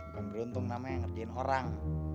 kamu beruntung namanya ngertiin orang